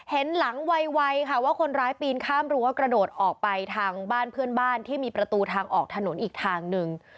เห็นหลังไวค่ะว่าคนร้ายปีนข้ามรั้วกระโดดออกไปทางบ้านเพื่อนบ้านที่มีประตูทางออกถนนอีกทางหนึ่ง